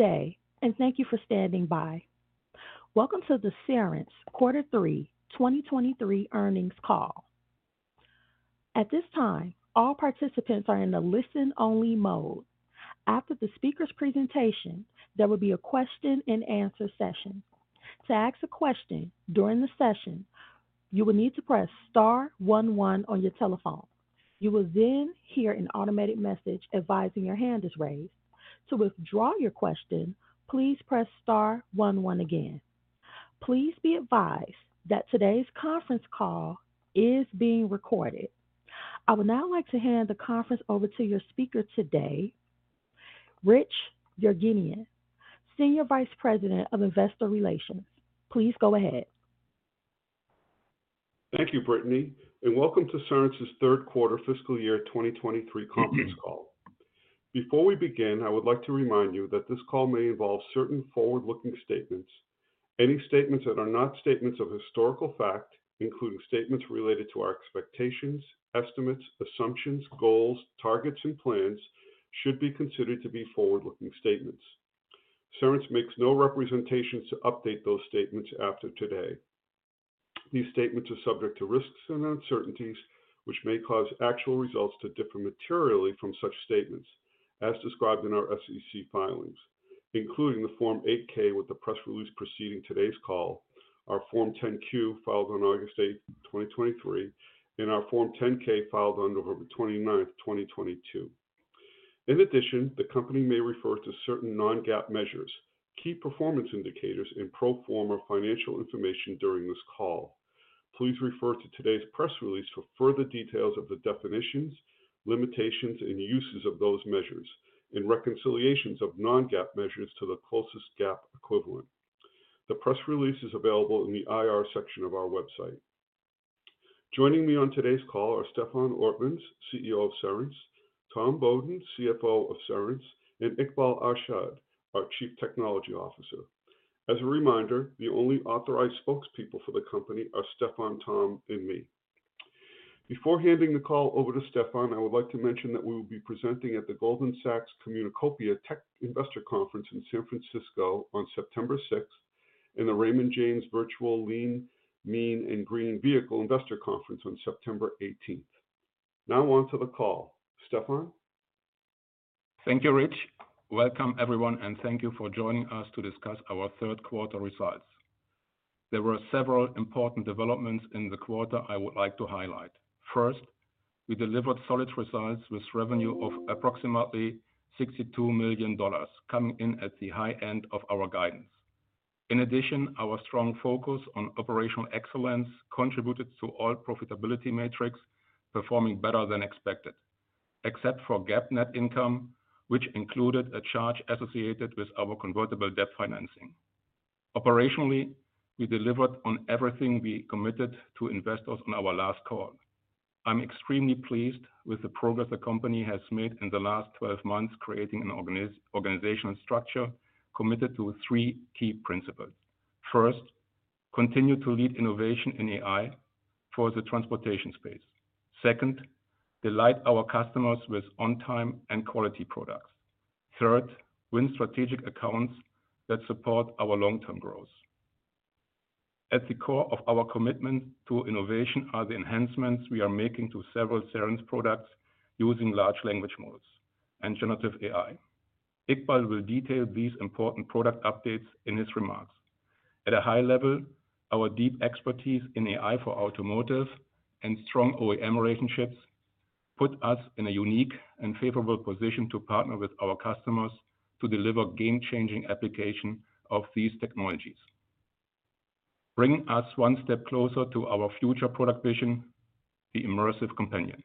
Good day, and thank you for standing by. Welcome to the Cerence Quarter Three 2023 Earnings Call. At this time, all participants are in a listen-only mode. After the speaker's presentation, there will be a question and answer session. To ask a question during the session, you will need to press star 1 1 on your telephone. You will then hear an automatic message advising your hand is raised. To withdraw your question, please press star one on one again. Please be advised that today's conference call is being recorded. I would now Luke to hand the conference over to your speaker today, Rich Yerganian, Senior Vice President of Investor Relations. Please go ahead. Thank you, Brittany, and welcome to Cerence's third quarter fiscal year 2023 conference call. Before we begin, I would like to remind you that this call may involve certain forward-looking statements. Any statements that are not statements of historical fact, including statements related to our expectations, estimates, assumptions, goals, targets, and plans, should be considered to be forward-looking statements. Cerence makes no representations to update those statements after today. These statements are subject to risks and uncertainties, which may cause actual results to differ materially from such statements as described in our SEC filings, including the Form 8-K with the press release preceding today's call, our Form 10-Q, filed on August 8, 2023, and our Form 10-K, filed on November 29, 2022. In addition, the company may refer to certain non-GAAP measures, key performance indicators and pro forma financial information during this call. Please refer to today's press release for further details of the definitions, limitations, and uses of those measures, and reconciliations of non-GAAP measures to the closest GAAP equivalent. The press release is available in the IR section of our website. Joining me on today's call are Stefan Ortmanns, CEO of Cerence, Tom Beaudoin, CFO of Cerence, and Iqbal Arshad, our Chief Technology Officer. As a reminder, the only authorized spokespeople for the company are Stefan, Tom, and me. Before handing the call over to Stefan, I would like to mention that we will be presenting at the Goldman Sachs Communacopia Tech Investor Conference in San Francisco on September 6th, and the Raymond James Virtual Lean, Mean, and Green Vehicle Investor Conference on September 18th. Now on to the call. Stefan? Thank you, Rich. Welcome, everyone, and thank you for joining us to discuss our third quarter results. There were several important developments in the quarter I would like to highlight. First, we delivered solid results with revenue of approximately $62 million, coming in at the high end of our guidance. In addition, our strong focus on operational excellence contributed to all profitability metrics performing better than expected, except for GAAP net income, which included a charge associated with our convertible debt financing. Operationally, we delivered on everything we committed to investors on our last call. I'm extremely pleased with the progress the company has made in the last 12 months, creating an organizational structure committed to three key principles. First, continue to lead innovation in AI for the transportation space. Second, delight our customers with on-time and quality products. Third, win strategic accounts that support our long-term growth. At the core of our commitment to innovation are the enhancements we are making to several Cerence products using large language models and generative AI. Iqbal will detail these important product updates in his remarks. At a high level, our deep expertise in AI for automotive and strong OEM relationships put us in a unique and favorable position to partner with our customers to deliver game-changing application of these technologies, bringing us one step closer to our future product vision, the Immersive Companion.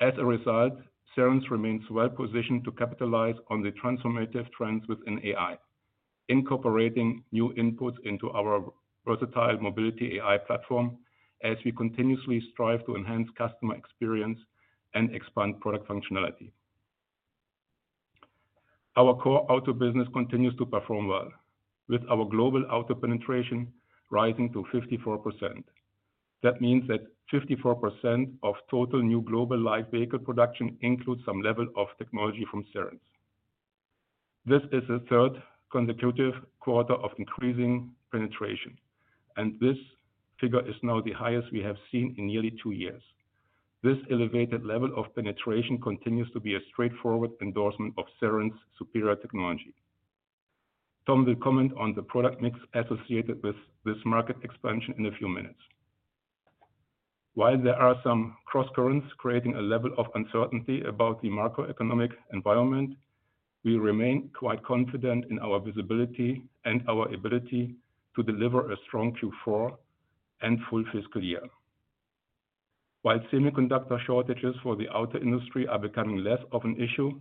As a result, Cerence remains well positioned to capitalize on the transformative trends within AI, incorporating new inputs into our versatile mobility AI platform as we continuously strive to enhance customer experience and expand product functionality. Our core auto business continues to perform well, with our global auto penetration rising to 54%. That means that 54% of total new global live vehicle production includes some level of technology from Cerence. This is the third consecutive quarter of increasing penetration, and this figure is now the highest we have seen in nearly 2 years. This elevated level of penetration continues to be a straightforward endorsement of Cerence's superior technology. Tom will comment on the product mix associated with this market expansion in a few minutes. While there are some crosscurrents creating a level of uncertainty about the macroeconomic environment, we remain quite confident in our visibility and our ability to deliver a strong Q4 and full fiscal year. While semiconductor shortages for the auto industry are becoming less of an issue,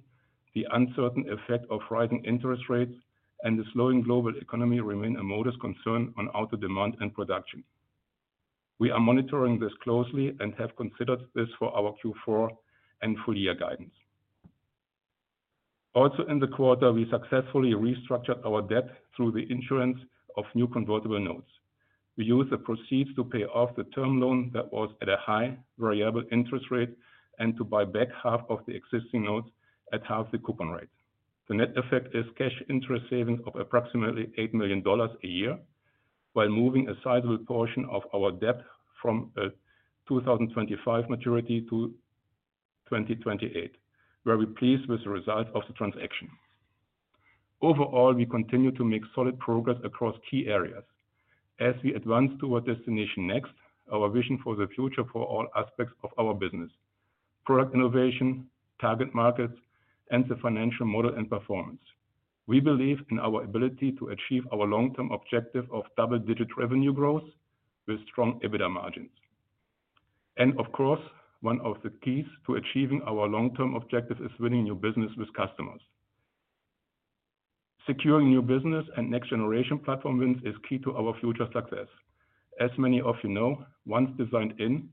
the uncertain effect of rising interest rates and the slowing global economy remain a modest concern on auto demand and production. We are monitoring this closely and have considered this for our Q4 and full-year guidance. Also in the quarter, we successfully restructured our debt through the issuance of new convertible notes. We use the proceeds to pay off the term loan that was at a high variable interest rate, and to buy back half of the existing notes at half the coupon rate. The net effect is cash interest savings of approximately $8 million a year, while moving a sizable portion of our debt from a 2025 maturity to 2028. We're very pleased with the result of the transaction. Overall, we continue to make solid progress across key areas. As we advance toward Destination Next, our vision for the future for all aspects of our business, product innovation, target markets, and the financial model and performance. We believe in our ability to achieve our long-term objective of double-digit revenue growth with strong EBITDA margins. Of course, one of the keys to achieving our long-term objective is winning new business with customers. Securing new business and next-generation platform wins is key to our future success. As many of you know, once designed in,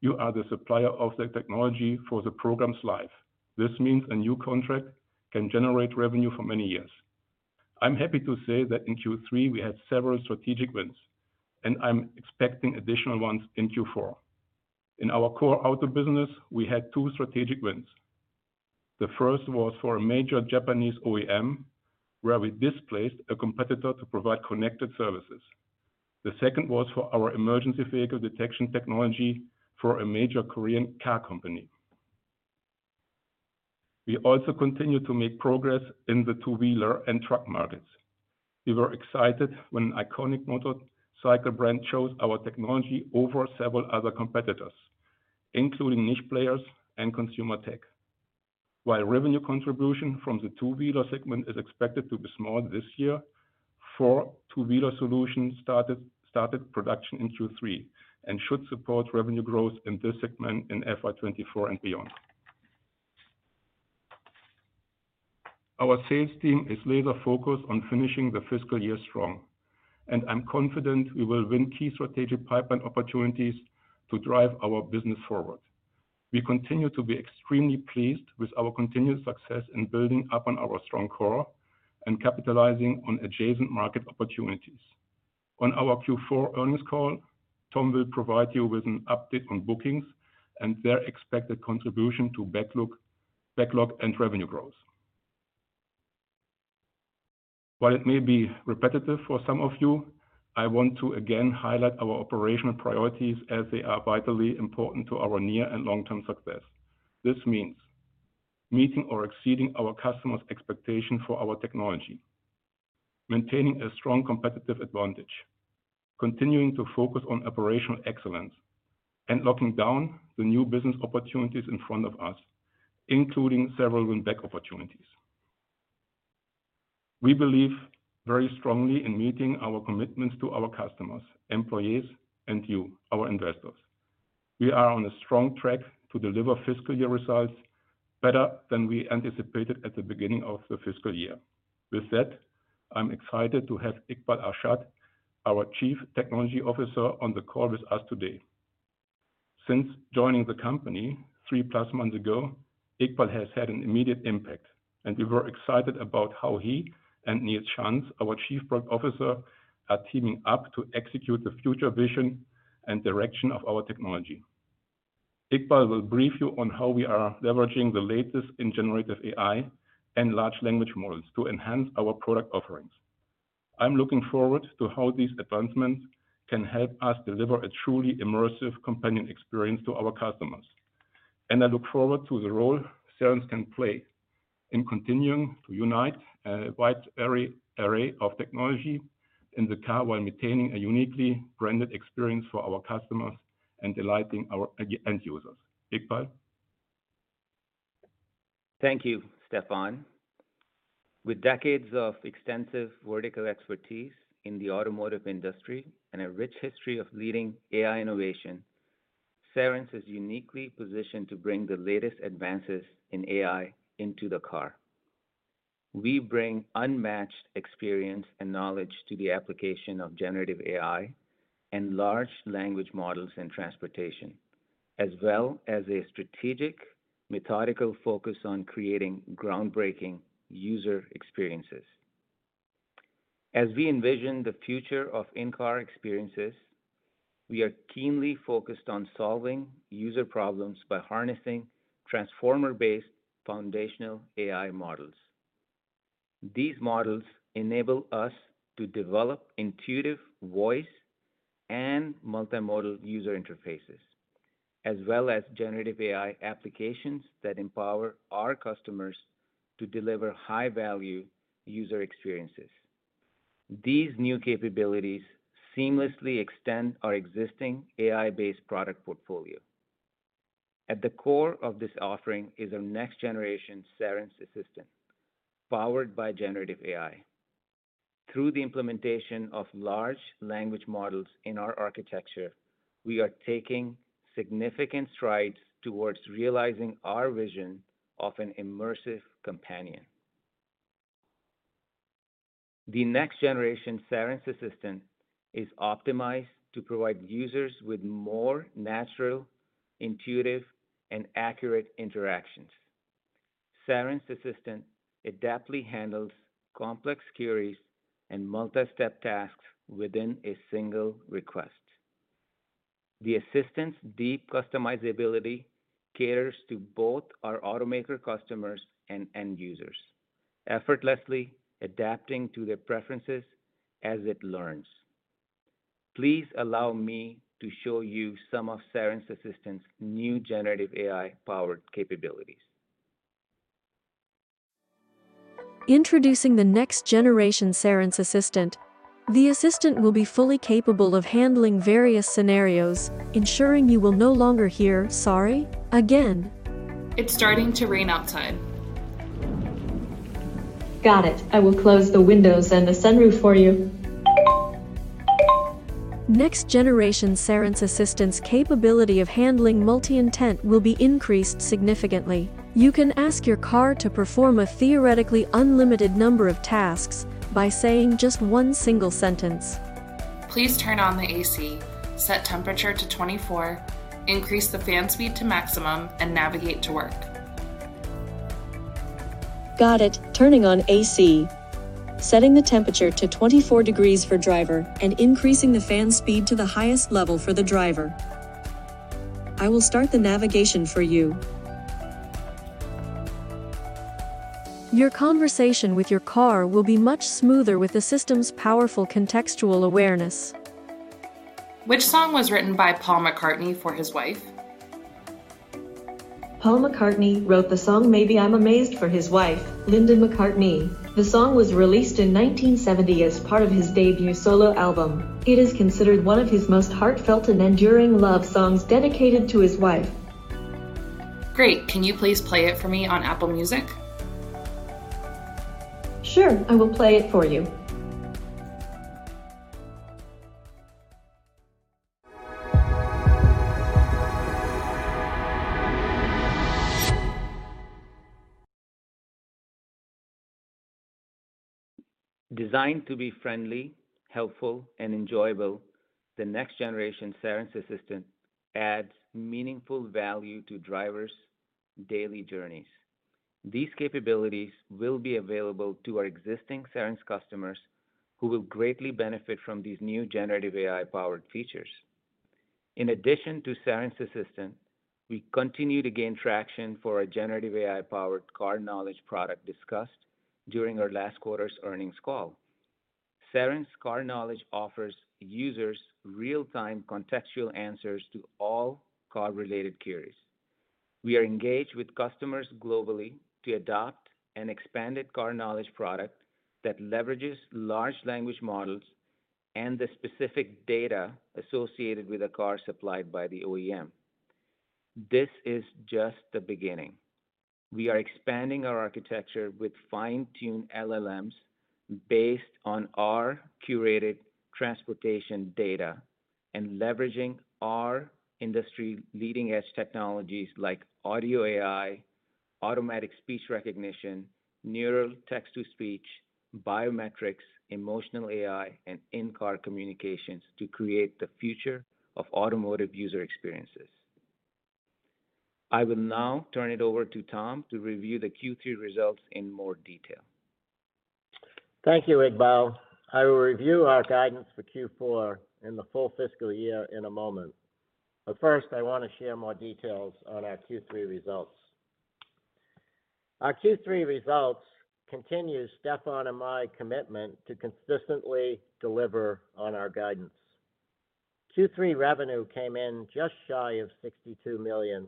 you are the supplier of the technology for the program's life. This means a new contract can generate revenue for many years. I'm happy to say that in Q3, we had several strategic wins, and I'm expecting additional ones in Q4. In our core auto business, we had two strategic wins. The first was for a major Japanese OEM, where we displaced a competitor to provide connected services. The second was for our emergency vehicle detection technology for a major Korean car company. We also continued to make progress in the two-wheeler and truck markets. We were excited when an iconic motorcycle brand chose our technology over several other competitors, including niche players and consumer tech. While revenue contribution from the two-wheeler segment is expected to be small this year, 4 two-wheeler solutions started production in Q3 and should support revenue growth in this segment in FY 2024 and beyond. Our sales team is laser-focused on finishing the fiscal year strong, and I'm confident we will win key strategic pipeline opportunities to drive our business forward. We continue to be extremely pleased with our continued success in building upon our strong core and capitalizing on adjacent market opportunities. On our Q4 earnings call, Tom will provide you with an update on bookings and their expected contribution to backlog and revenue growth. While it may be repetitive for some of you, I want to again highlight our operational priorities as they are vitally important to our near and long-term success. This means meeting or exceeding our customers' expectations for our technology, maintaining a strong competitive advantage, continuing to focus on operational excellence, and locking down the new business opportunities in front of us, including several win-back opportunities. We believe very strongly in meeting our commitments to our customers, employees, and you, our investors. We are on a strong track to deliver fiscal year results better than we anticipated at the beginning of the fiscal year. With that, I'm excited to have Iqbal Arshad, our Chief Technology Officer, on the call with us today. Since joining the company three-plus months ago, Iqbal has had an immediate impact, and we were excited about how he and Nils Schanz, our Chief Product Officer, are teaming up to execute the future vision and direction of our technology. Iqbal will brief you on how we are leveraging the latest in generative AI and large language models to enhance our product offerings. I'm looking forward to how these advancements can help us deliver a truly Immersive Companion experience to our customers. I look forward to the role Cerence can play in continuing to unite a wide array of technology in the car, while maintaining a uniquely branded experience for our customers and delighting our end users. Iqbal? Thank you, Stefan. With decades of extensive vertical expertise in the automotive industry and a rich history of leading AI innovation, Cerence is uniquely positioned to bring the latest advances in AI into the car. We bring unmatched experience and knowledge to the application of generative AI and large language models in transportation, as well as a strategic, methodical focus on creating groundbreaking user experiences. As we envision the future of in-car experiences, we are keenly focused on solving user problems by harnessing transformer-based foundational AI models. These models enable us to develop intuitive voice and multimodal user interfaces, as well as generative AI applications that empower our customers to deliver high-value user experiences. These new capabilities seamlessly extend our existing AI-based product portfolio. At the core of this offering is our next-generation Cerence Assistant, powered by generative AI. Through the implementation of large language models in our architecture, we are taking significant strides towards realizing our vision of an Immersive Companion. The next-generation Cerence Assistant is optimized to provide users with more natural, intuitive, and accurate interactions. Cerence Assistant adeptly handles complex queries and multi-step tasks within a single request. The assistant's deep customizability caters to both our automaker customers and end users, effortlessly adapting to their preferences as it learns. Please allow me to show you some of Cerence Assistant's new generative AI-powered capabilities. Introducing the next generation Cerence Assistant. The assistant will be fully capable of handling various scenarios, ensuring you will no longer hear, "Sorry," again. It's starting to rain outside. Got it. I will close the windows and the sunroof for you. Next generation Cerence Assistant's capability of handling multi-intent will be increased significantly. You can ask your car to perform a theoretically unlimited number of tasks by saying just one single sentence. Please turn on the AC, set temperature to 24, increase the fan speed to maximum, and navigate to work. Got it. Turning on AC, setting the temperature to 24 degrees for driver, and increasing the fan speed to the highest level for the driver. I will start the navigation for you. Your conversation with your car will be much smoother with the system's powerful contextual awareness. Which song was written by Paul McCartney for his wife? Paul McCartney wrote the song Maybe I'm Amazed for his wife, Linda McCartney. The song was released in 1970 as part of his debut solo album. It is considered one of his most heartfelt and enduring love songs dedicated to his wife. Great. Can you please play it for me on Apple Music? Sure, I will play it for you. Designed to be friendly, helpful, and enjoyable, the next generation Cerence Assistant adds meaningful value to drivers' daily journeys. These capabilities will be available to our existing Cerence customers, who will greatly benefit from these new generative AI-powered features. In addition to Cerence Assistant, we continue to gain traction for our generative AI-powered Car Knowledge product discussed during our last quarter's earnings call. Cerence Car Knowledge offers users real-time contextual answers to all car-related queries. We are engaged with customers globally to adopt an expanded Car Knowledge product that leverages large language models and the specific data associated with a car supplied by the OEM. This is just the beginning. We are expanding our architecture with fine-tuned LLMs based on our curated transportation data and leveraging our industry leading-edge technologies like audio AI, automatic speech recognition, neural text-to-speech, biometrics, emotional AI, and in-car communications to create the future of automotive user experiences. I will now turn it over to Tom to review the Q3 results in more detail. Thank you, Iqbal. I will review our guidance for Q4 and the full fiscal year in a moment, but first, I want to share more details on our Q3 results. Our Q3 results continue Stefan and my commitment to consistently deliver on our guidance. Q3 revenue came in just shy of $62 million,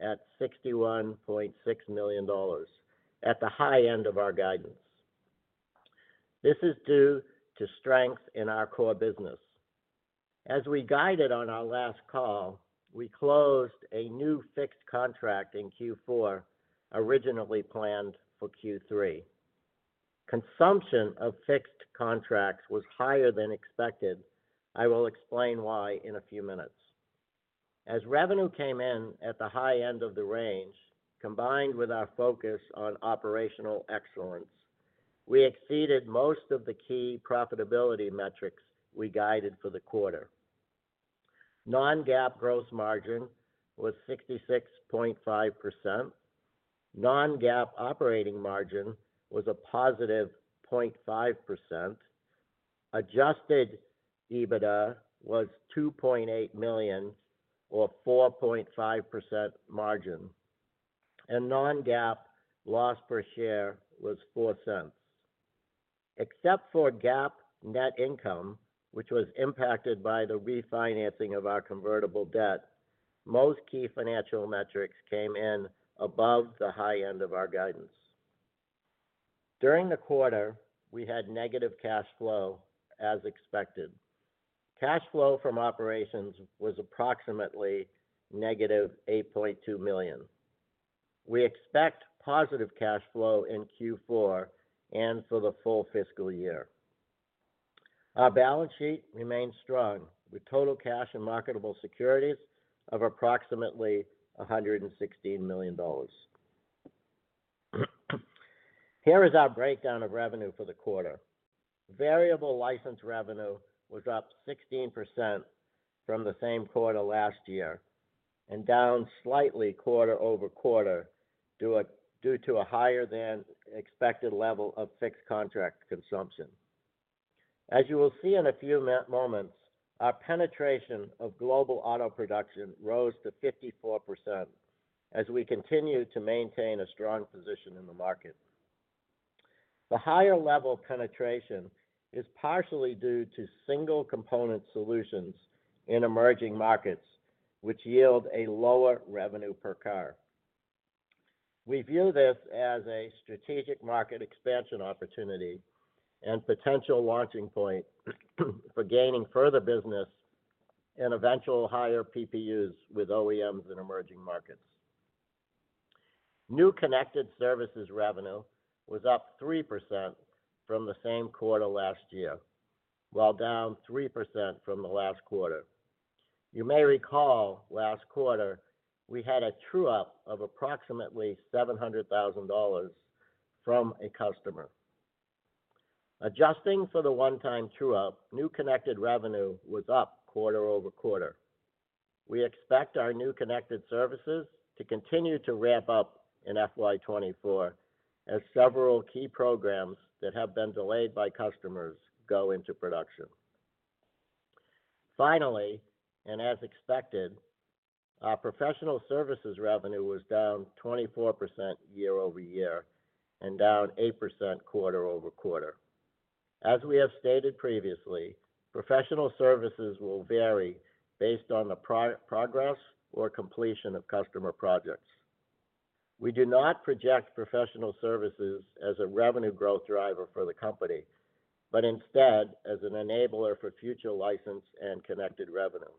at $61.6 million, at the high end of our guidance. This is due to strength in our core business. As we guided on our last call, we closed a new fixed contract in Q4, originally planned for Q3. Consumption of fixed contracts was higher than expected. I will explain why in a few minutes. As revenue came in at the high end of the range, combined with our focus on operational excellence, we exceeded most of the key profitability metrics we guided for the quarter. Non-GAAP gross margin was 66.5%. Non-GAAP operating margin was a positive 0.5%. Adjusted EBITDA was $2.8 million, or 4.5% margin. Non-GAAP loss per share was $0.04. Except for GAAP net income, which was impacted by the refinancing of our convertible debt, most key financial metrics came in above the high end of our guidance. During the quarter, we had negative cash flow as expected. Cash flow from operations was approximately -$8.2 million. We expect positive cash flow in Q4 and for the full fiscal year. Our balance sheet remains strong, with total cash and marketable securities of approximately $116 million. Here is our breakdown of revenue for the quarter. Variable license revenue was up 16% from the same quarter last year, down slightly quarter-over-quarter, due to a higher than expected level of fixed contract consumption. As you will see in a few moments, our penetration of global auto production rose to 54% as we continue to maintain a strong position in the market. The higher level penetration is partially due to single component solutions in emerging markets, which yield a lower revenue per car. We view this as a strategic market expansion opportunity and potential launching point, for gaining further business and eventual higher PPUs with OEMs in emerging markets. New connected services revenue was up 3% from the same quarter last year, while down 3% from the last quarter. You may recall last quarter, we had a true-up of approximately $700,000 from a customer. Adjusting for the one-time true-up, new connected revenue was up quarter-over-quarter. We expect our new connected services to continue to ramp up in FY 2024, as several key programs that have been delayed by customers go into production. Finally, and as expected, our professional services revenue was down 24% year-over-year and down 8% quarter-over-quarter. As we have stated previously, professional services will vary based on the progress or completion of customer projects. We do not project professional services as a revenue growth driver for the company, but instead as an enabler for future license and connected revenue.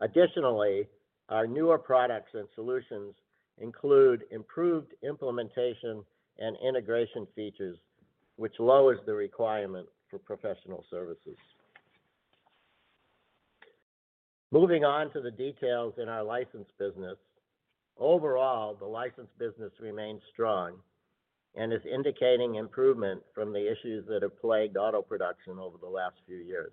Additionally, our newer products and solutions include improved implementation and integration features, which lowers the requirement for professional services. Moving on to the details in our license business. Overall, the license business remains strong and is indicating improvement from the issues that have plagued auto production over the last few years.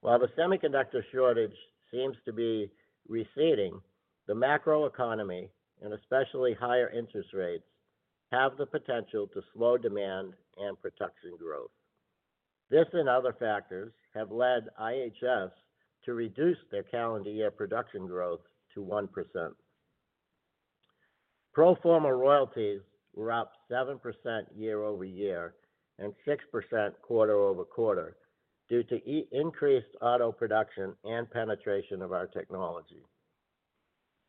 While the semiconductor shortage seems to be receding, the macroeconomy, and especially higher interest rates, have the potential to slow demand and production growth. Other factors have led IHS to reduce their calendar year production growth to 1%. Pro forma royalties were up 7% year-over-year and 6% quarter-over-quarter due to increased auto production and penetration of our technology.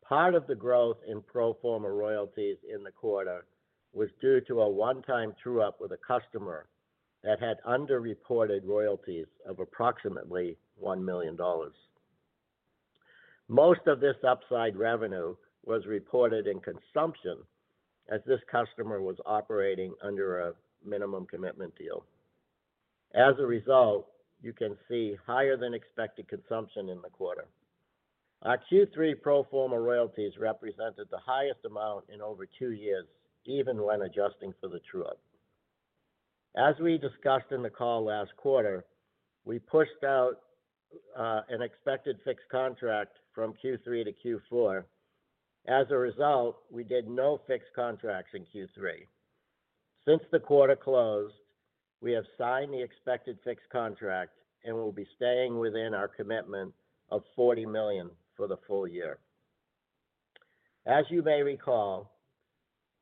Part of the growth in pro forma royalties in the quarter was due to a one-time true-up with a customer that had underreported royalties of approximately $1 million. Most of this upside revenue was reported in consumption as this customer was operating under a minimum commitment deal. As a result, you can see higher than expected consumption in the quarter. Our Q3 pro forma royalties represented the highest amount in over 2 years, even when adjusting for the true-up. As we discussed in the call last quarter, we pushed out an expected fixed contract from Q3 to Q4. As a result, we did no fixed contracts in Q3. Since the quarter closed, we have signed the expected fixed contract and will be staying within our commitment of $40 million for the full year. As you may recall,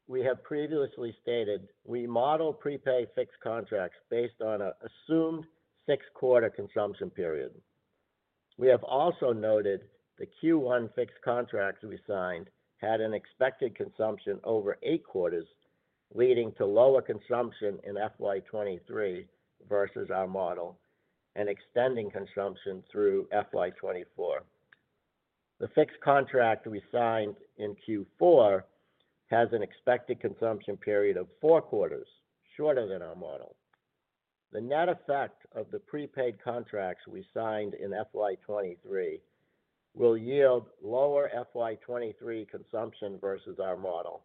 we have previously stated we model prepaid fixed contracts based on a assumed 6-quarter consumption period. We have also noted the Q1 fixed contracts we signed had an expected consumption over 8 quarters, leading to lower consumption in FY 2023 versus our model and extending consumption through FY 2024. The fixed contract we signed in Q4 has an expected consumption period of 4 quarters, shorter than our model. The net effect of the prepaid contracts we signed in FY 2023 will yield lower FY 2023 consumption versus our model,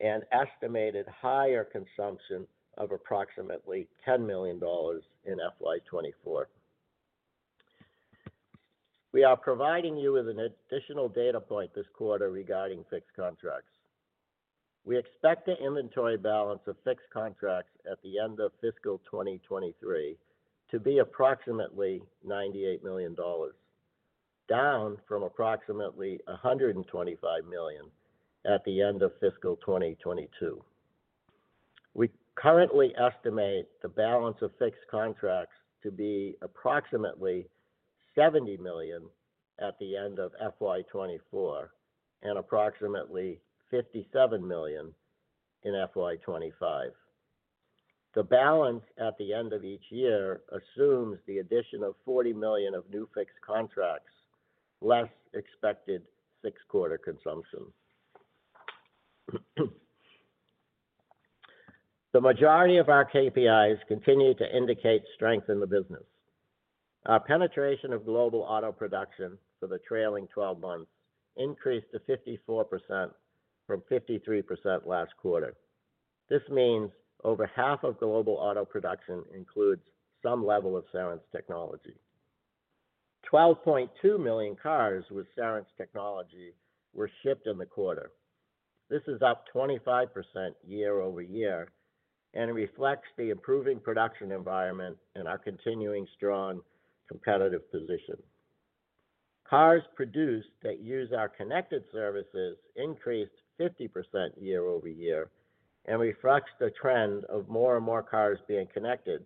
an estimated higher consumption of approximately $10 million in FY 2024. We are providing you with an additional data point this quarter regarding fixed contracts. We expect the inventory balance of fixed contracts at the end of fiscal 2023 to be approximately $98 million, down from approximately $125 million at the end of fiscal 2022. We currently estimate the balance of fixed contracts to be approximately $70 million at the end of FY 2024 and approximately $57 million in FY 2025. The balance at the end of each year assumes the addition of $40 million of new fixed contracts, less expected 6-quarter consumption. The majority of our KPIs continue to indicate strength in the business. Our penetration of global auto production for the trailing 12 months increased to 54% from 53% last quarter. This means over half of global auto production includes some level of Cerence technology. 12.2 million cars with Cerence technology were shipped in the quarter. This is up 25% year-over-year, and reflects the improving production environment and our continuing strong competitive position. Cars produced that use our connected services increased 50% year-over-year, and reflects the trend of more and more cars being connected,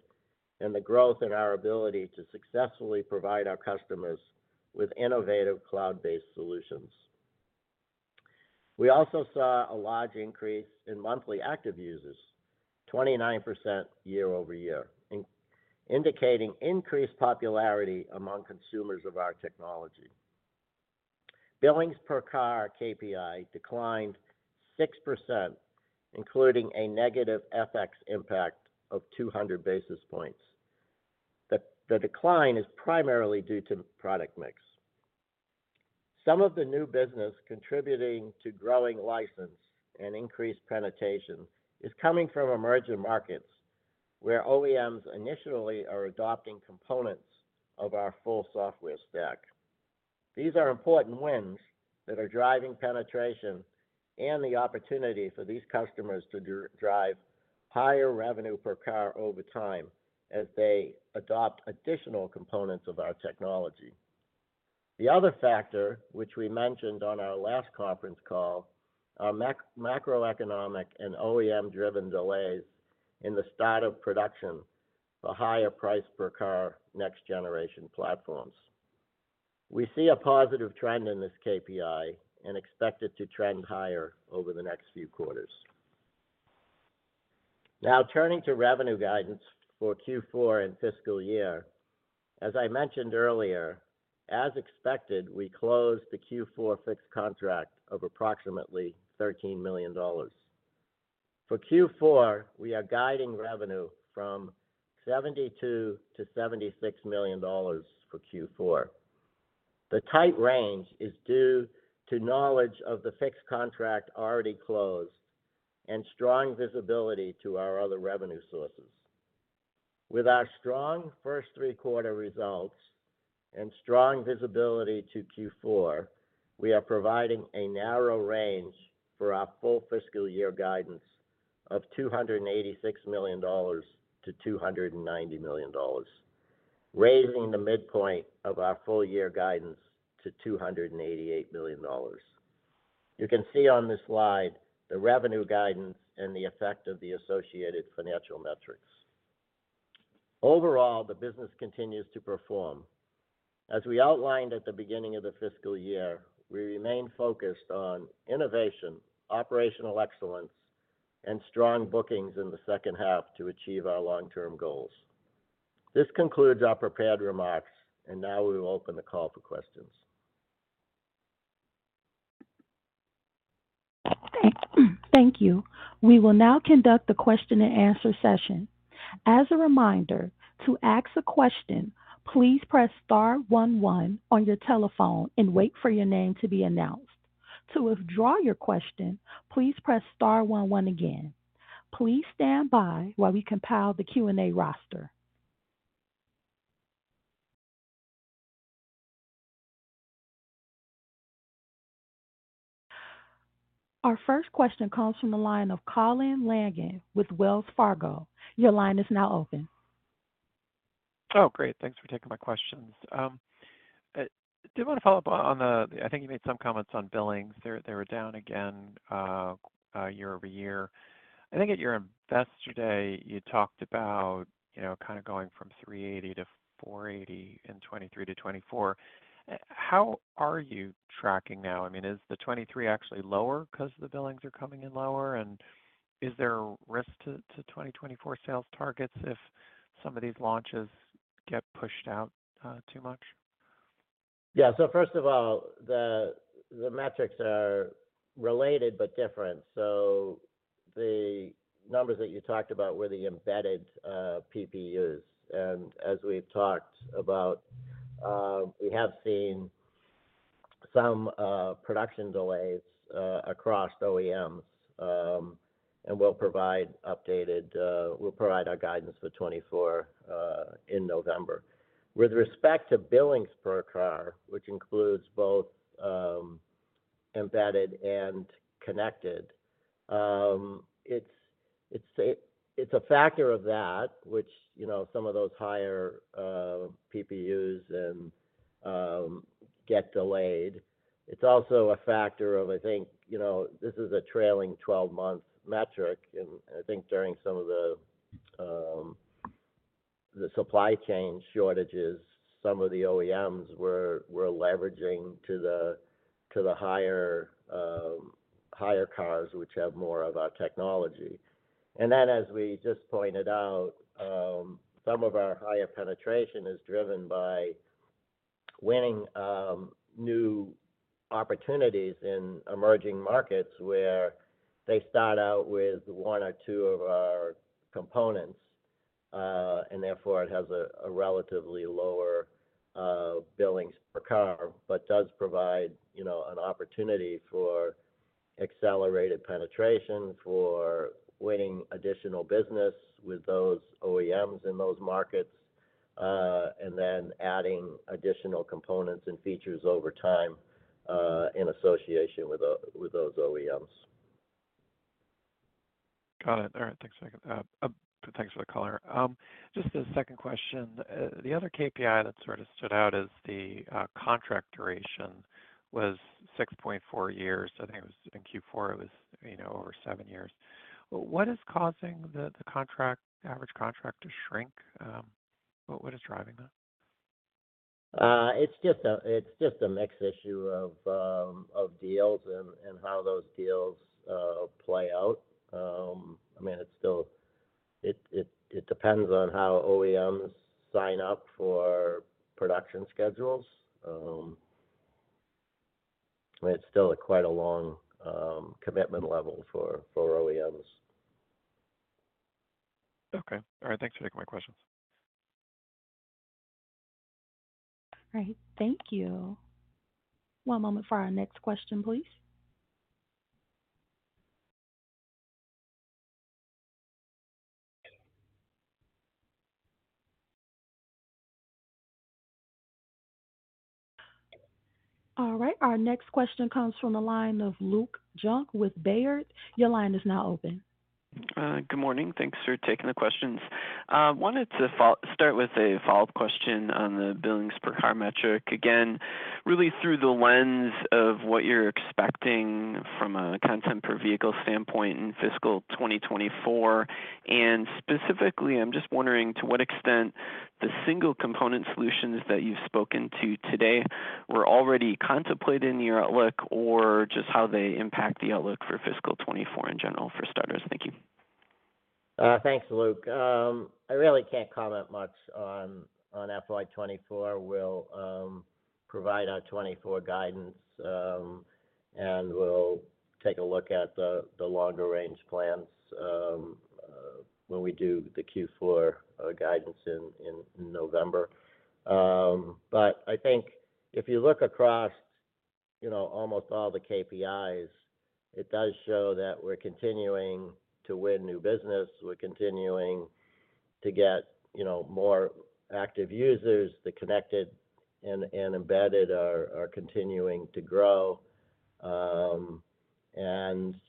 and the growth in our ability to successfully provide our customers with innovative cloud-based solutions. We also saw a large increase in monthly active users, 29% year-over-year, indicating increased popularity among consumers of our technology. Billings per car KPI declined 6%, including a negative FX impact of 200 basis points. The decline is primarily due to the product mix. Some of the new business contributing to growing license and increased penetration is coming from emerging markets, where OEMs initially are adopting components of our full software stack. These are important wins that are driving penetration and the opportunity for these customers to drive higher revenue per car over time as they adopt additional components of our technology. The other factor, which we mentioned on our last conference call, are macroeconomic and OEM-driven delays in the start of production for higher price per car next generation platforms. We see a positive trend in this KPI and expect it to trend higher over the next few quarters. Turning to revenue guidance for Q4 and fiscal year. As I mentioned earlier, as expected, we closed the Q4 fixed contract of approximately $13 million. For Q4, we are guiding revenue from $72 million-$76 million for Q4. The tight range is due to knowledge of the fixed contract already closed and strong visibility to our other revenue sources. With our strong first 3 quarter results and strong visibility to Q4, we are providing a narrow range for our full fiscal year guidance of $286 million-$290 million, raising the midpoint of our full year guidance to $288 million. You can see on this slide the revenue guidance and the effect of the associated financial metrics. Overall, the business continues to perform. As we outlined at the beginning of the fiscal year, we remain focused on innovation, operational excellence, and strong bookings in the second half to achieve our long-term goals. This concludes our prepared remarks, and now we will open the call for questions. Thank, thank you. We will now conduct the question and answer session. As a reminder, to ask a question, please press star one one on your telephone and wait for your name to be announced. To withdraw your question, please press star one one again. Please stand by while we compile the Q&A roster. Our first question comes from the line of Colin Langan with Wells Fargo. Your line is now open. Oh, great, thanks for taking my questions. I did want to follow up on the-- I think you made some comments on billings. They, they were down again year-over-year. I think at your investor day, you talked about, you know, kind of going from $380 to $480 in 2023 to 2024. How are you tracking now? I mean, is the 2023 actually lower because the billings are coming in lower, and is there a risk to, to 2024 sales targets if some of these launches get pushed out too much? Yeah. First of all, the metrics are related but different. The numbers that you talked about were the embedded PPUs. As we've talked about, we have seen some production delays across OEMs, and we'll provide updated-- we'll provide our guidance for 2024 in November. With respect to billings per car, which includes both embedded and connected, it's, it's a, it's a factor of that, which, you know, some of those higher PPUs and get delayed. It's also a factor of, I think, you know, this is a trailing 12-month metric, and I think during some of the supply chain shortages, some of the OEMs were, were leveraging to the, to the higher, higher cars, which have more of our technology. As we just pointed out, some of our higher penetration is driven by winning new opportunities in emerging markets where they start out with 1 or 2 of our components, and therefore it has a relatively lower billings per car, but does provide, you know, an opportunity for accelerated penetration, for winning additional business with those OEMs in those markets, and then adding additional components and features over time, in association with those OEMs. Got it. All right, thanks, again, thanks for the color. Just a second question. The other KPI that sort of stood out is the contract duration was 6.4 years. I think it was in Q4, it was, you know, over 7 years. What is causing the, the contract, average contract to shrink? What is driving that? It's just a mix issue of deals and how those deals play out. I mean, it still depends on how OEMs sign up for production schedules. But it's still a quite a long commitment level for OEMs. Okay. All right. Thanks for taking my questions. All right. Thank you. One moment for our next question, please. All right, our next question comes from the line of Luke Junk with Baird. Your line is now open. Good morning. Thanks for taking the questions. I wanted to start with a follow-up question on the billings per car metric. Again, really through the lens of what you're expecting from a content per vehicle standpoint in fiscal 2024. And specifically, I'm just wondering, to what extent the single component solutions that you've spoken to today were already contemplated in your outlook, or just how they impact the outlook for fiscal 2024 in general, for starters. Thank you. Thanks, Luke. I really can't comment much on, on FY 2024. We'll provide our 2024 guidance, and we'll take a look at the, the longer-range plans, when we do the Q4 guidance in, in November. I think if you look across, you know, almost all the KPIs, it does show that we're continuing to win new business, we're continuing to get, you know, more active users. The connected and, and embedded are, are continuing to grow.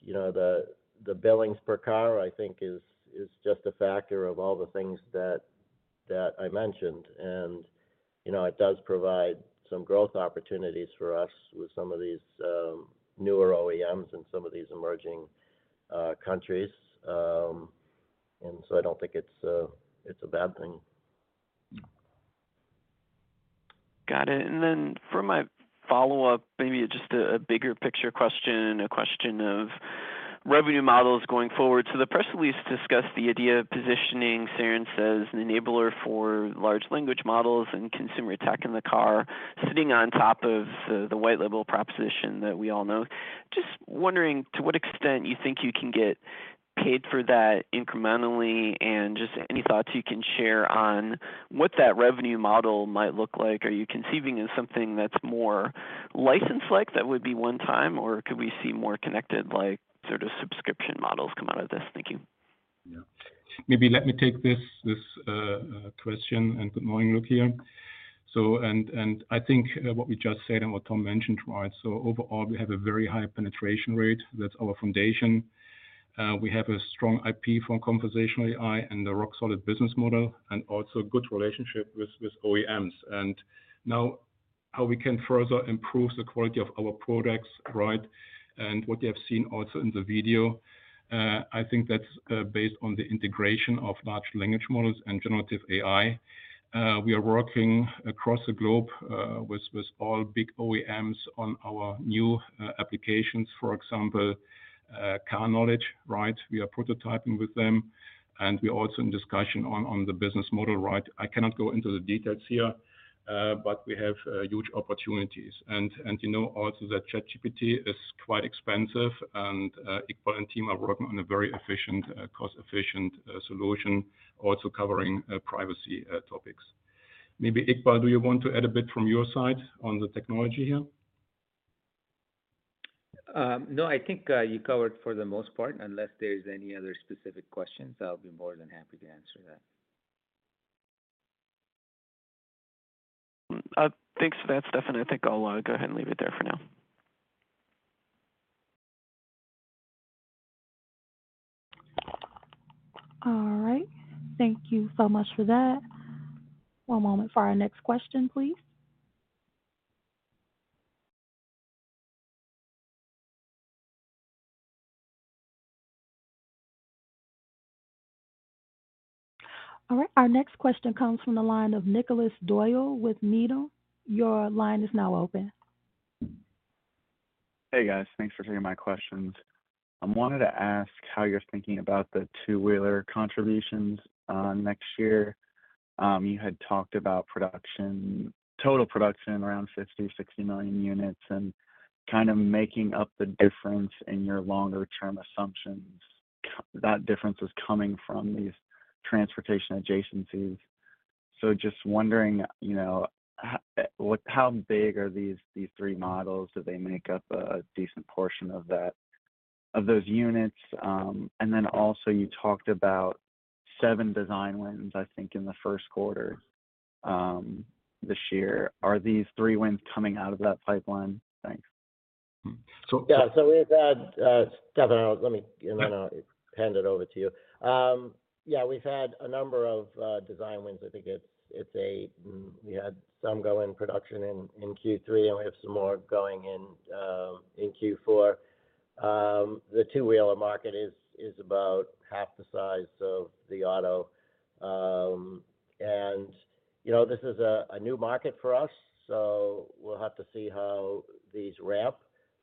You know, the, the billings per car, I think, is, is just a factor of all the things that, that I mentioned. You know, it does provide some growth opportunities for us with some of these, newer OEMs and some of these emerging countries. I don't think it's a, it's a bad thing. Got it. For my follow-up, maybe just a bigger picture question, a question of revenue models going forward. The press release discussed the idea of positioning Cerence as an enabler for large language models and consumer tech in the car, sitting on top of the white label proposition that we all know. Just wondering, to what extent you think you can get paid for that incrementally, and just any thoughts you can share on what that revenue model might look like? Are you conceiving in something that's more license-like that would be one time, or could we see more connected, like, sort of subscription models come out of this? Thank you. Yeah. Maybe let me take this, this question. Good morning, Luke, here. I think what we just said and what Tom mentioned, right? Overall, we have a very high penetration rate. That's our foundation. We have a strong IP for conversational AI and a rock-solid business model, also a good relationship with OEMs. Now, how we can further improve the quality of our products, right, and what you have seen also in the video, I think that's based on the integration of large language models and generative AI. We are working across the globe with all big OEMs on our new applications, for example, Car Knowledge, right? We are prototyping with them. We are also in discussion on the business model, right? I cannot go into the details here, but we have huge opportunities. You know also that ChatGPT is quite expensive, and Iqbal and team are working on a very efficient, cost-efficient solution, also covering privacy topics. Maybe, Iqbal, do you want to add a bit from your side on the technology here? No, I think, you covered for the most part, unless there's any other specific questions, I'll be more than happy to answer that. Thanks for that, Stefan. I think I'll go ahead and leave it there for now. All right. Thank you so much for that. One moment for our next question, please. All right, our next question comes from the line of Nicholas Doyle with Needham. Your line is now open.... Hey, guys. Thanks for taking my questions. I wanted to ask how you're thinking about the two-wheeler contributions next year. You had talked about production, total production around 50-60 million units, and kind of making up the difference in your longer term assumptions. That difference is coming from these transportation adjacencies. Just wondering, you know, what, how big are these, these 3 models? Do they make up a decent portion of those units? Then also, you talked about 7 design wins, I think, in the first quarter this year. Are these 3 wins coming out of that pipeline? Thanks. So- Yeah, we've had Stefan, let me, and then I'll hand it over to you. Yeah, we've had a number of design wins. I think it's, it's a, we had some go in production in Q3, and we have some more going in Q4. The two-wheeler market is about half the size of the auto. You know, this is a new market for us, so we'll have to see how these ramp.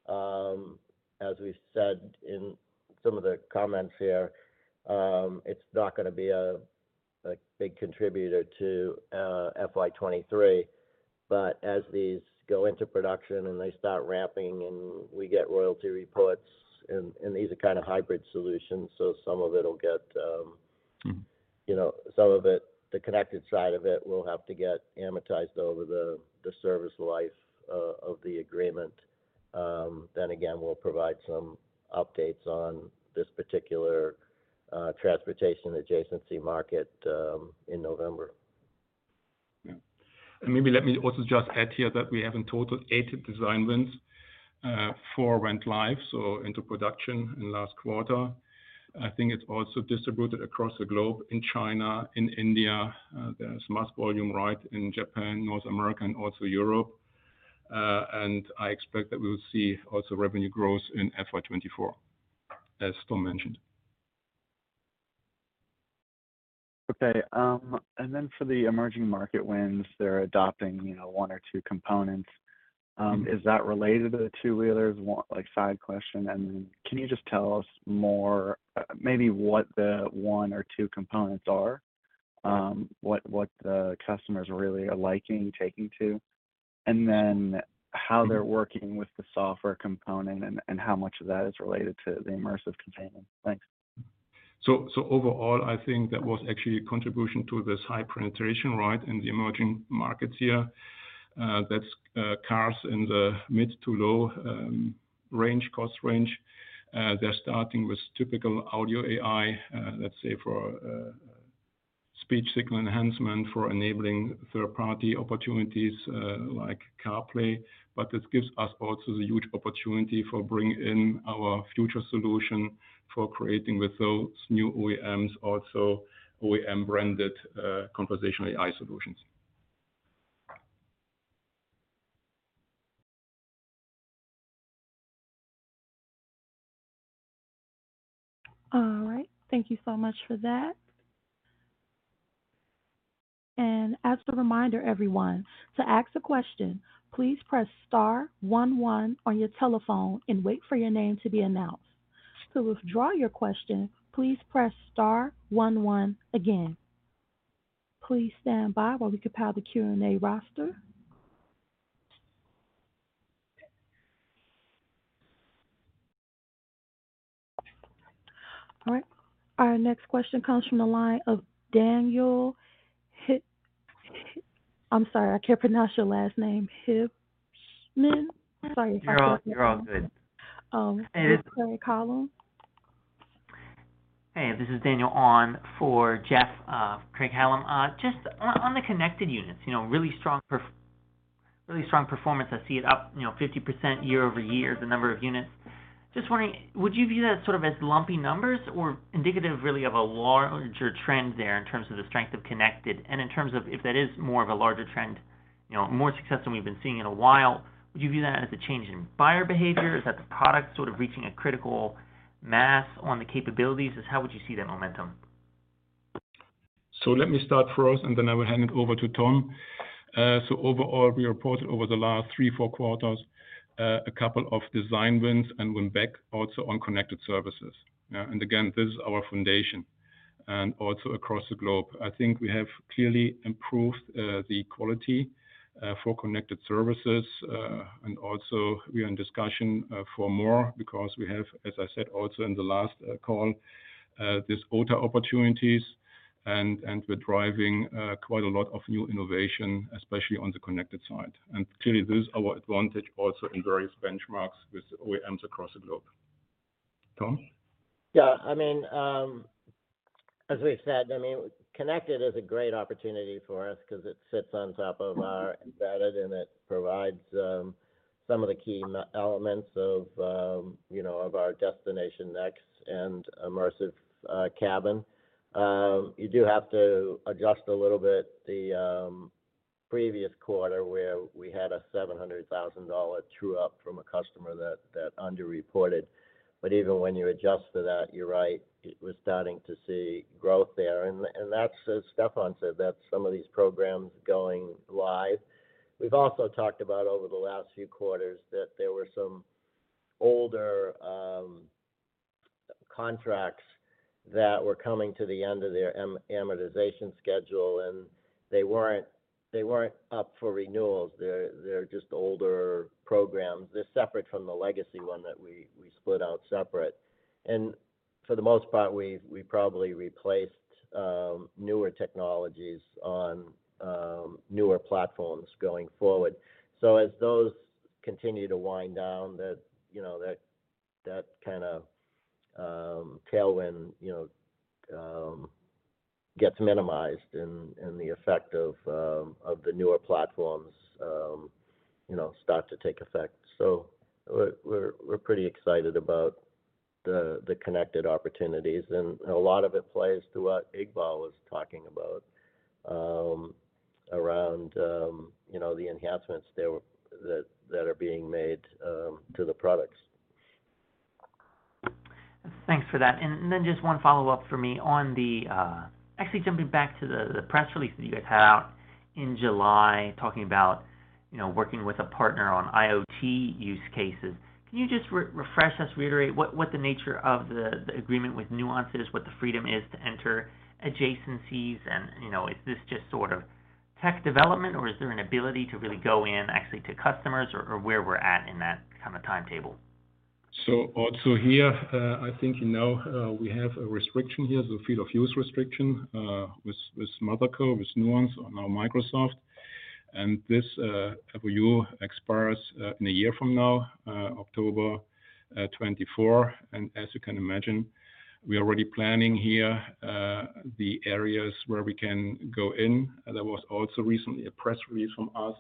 As we said in some of the comments here, it's not gonna be a big contributor to FY 2023. As these go into production and they start ramping and we get royalty reports, and, and these are kind of hybrid solutions, so some of it will get, you know, some of it, the connected side of it, will have to get amortized over the, the service life, of the agreement. Again, we'll provide some updates on this particular, transportation adjacency market, in November. Yeah. Maybe let me also just add here that we have in total 8 design wins, 4 went live, so into production in last quarter. I think it's also distributed across the globe in China, in India, there's mass volume, right, in Japan, North America, and also Europe. I expect that we will see also revenue growth in FY 2024, as Tom mentioned. Okay, then for the emerging market wins, they're adopting, you know, 1 or 2 components. Is that related to the 2-wheelers? 1, like, side question, can you just tell us more, maybe what the 1 or 2 components are, what the customers really are liking, taking to? Then how they're working with the software component and how much of that is related to the Immersive Content? Thanks. Overall, I think that was actually a contribution to this high penetration, right, in the emerging markets here. That's cars in the mid to low range, cost range. They're starting with typical audio AI, let's say for speech signal enhancement, for enabling third-party opportunities, like CarPlay. This gives us also a huge opportunity for bringing in our future solution, for creating with those new OEMs, also OEM-branded conversational AI solutions. All right. Thank you so much for that. As a reminder, everyone, to ask a question, please press star one one on your telephone and wait for your name to be announced. To withdraw your question, please press star one one again. Please stand by while we compile the Q&A roster. All right. Our next question comes from the line of Daniel Hip- I'm sorry, I can't pronounce your last name. Hibshman? Sorry. You're all, you're all good. Crai Hallum. Hey, this is Daniel for Jeff, Craig Hallum. Just on, on the connected units, you know, really strong perf- really strong performance. I see it up, you know, 50% year-over-year, the number of units. Just wondering, would you view that sort of as lumpy numbers or indicative really of a larger trend there in terms of the strength of connected? In terms of if that is more of a larger trend, you know, more success than we've been seeing in a while, would you view that as a change in buyer behavior? Is that the product sort of reaching a critical mass on the capabilities? Just how would you see that momentum? Let me start first, and then I will hand it over to Tom. Overall, we reported over the last 3, 4 quarters, a couple of design wins and win back also on connected services. Again, this is our foundation. Also across the globe, I think we have clearly improved the quality for connected services, and also we are in discussion for more because we have, as I said, also in the last call, these OTA opportunities and, and we're driving quite a lot of new innovation, especially on the connected side. Clearly, this is our advantage also in various benchmarks with OEMs across the globe. Tom? Yeah, I mean, as we've said, I mean, connected is a great opportunity for us 'cause it sits on top of our embedded, and it provides, some of the key elements of, you know, of our Destination Next and Immersive Cabin. You do have to adjust a little bit the previous quarter, where we had a $700,000 true-up from a customer that, that underreported. Even when you adjust for that, you're right, it, we're starting to see growth there. That's, as Stefan said, that's some of these programs going live. We've also talked about over the last few quarters that there were some older contracts that were coming to the end of their amortization schedule, and they weren't, they weren't up for renewals. They're, they're just older programs. They're separate from the legacy one that we, we split out separate. For the most part, we probably replaced newer technologies on newer platforms going forward. As those continue to wind down, that, you know, that, that kind of tailwind, you know, gets minimized and the effect of the newer platforms, you know, start to take effect. We're, we're, we're pretty excited about the connected opportunities, and a lot of it plays to what Iqbal was talking about, around, you know, the enhancements there that are being made to the products. Thanks for that. Just one follow-up for me. Actually jumping back to the press release that you guys had out in July, talking about, you know, working with a partner on IoT use cases. Can you just re-refresh us, reiterate what the nature of the agreement with Nuance is, what the freedom is to enter adjacencies? You know, is this just sort of tech development, or is there an ability to really go in actually to customers or where we're at in that kind of timetable? Also here, I think, you know, we have a restriction here, the field of use restriction, with Motherco, with Nuance, now Microsoft. This OU expires in a year from now, October 2024. As you can imagine, we are already planning here, the areas where we can go in. There was also recently a press release from us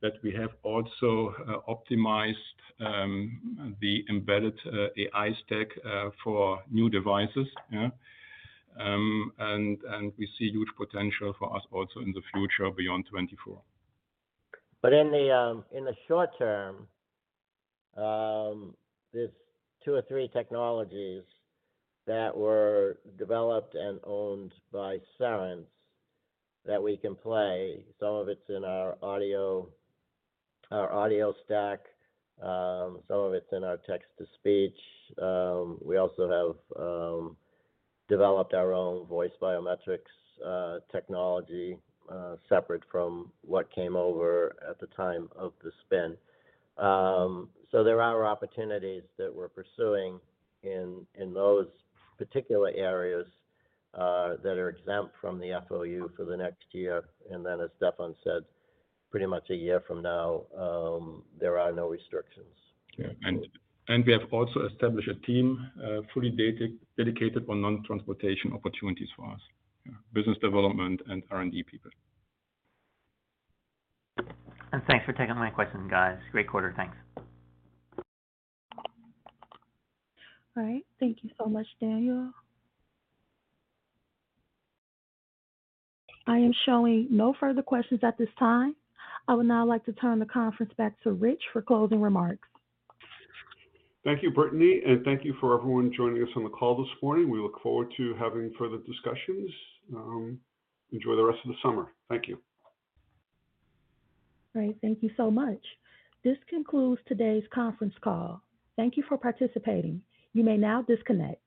that we have also optimized the embedded AI stack for new devices. Yeah. We see huge potential for us also in the future beyond 2024. In the short term, there's two or three technologies that were developed and owned by Cerence that we can play. Some of it's in our audio, our audio stack, some of it's in our text-to-speech. We also have developed our own voice biometrics technology separate from what came over at the time of the spin. There are opportunities that we're pursuing in those particular areas that are exempt from the FOU for the next year. Then, as Stefan said, pretty much a year from now, there are no restrictions. Yeah. We have also established a team, fully dedicated on non-transportation opportunities for us, yeah, business development and R&D people. Thanks for taking my questions, guys. Great quarter. Thanks. All right. Thank you so much, Daniel. I am showing no further questions at this time. I would now like to turn the conference back to Rich for closing remarks. Thank you, Brittany, and thank you for everyone joining us on the call this morning. We look forward to having further discussions. Enjoy the rest of the summer. Thank you. All right. Thank you so much. This concludes today's conference call. Thank you for participating. You may now disconnect.